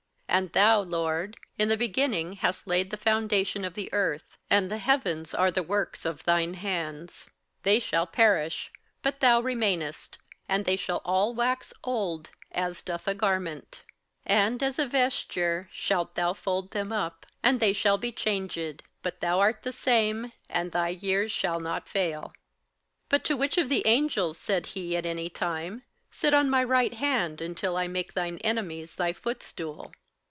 58:001:010 And, Thou, Lord, in the beginning hast laid the foundation of the earth; and the heavens are the works of thine hands: 58:001:011 They shall perish; but thou remainest; and they all shall wax old as doth a garment; 58:001:012 And as a vesture shalt thou fold them up, and they shall be changed: but thou art the same, and thy years shall not fail. 58:001:013 But to which of the angels said he at any time, Sit on my right hand, until I make thine enemies thy footstool?